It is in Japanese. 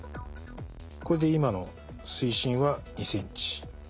これで今の水深は２ｃｍ。